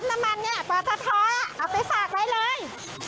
ตัำน้ำมันเนี้ยเบาธท้อเอาไปฝากไว้เลย